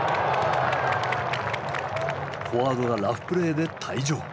フォワードがラフプレーで退場。